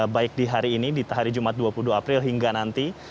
baik di hari ini di hari jumat dua puluh dua april hingga nanti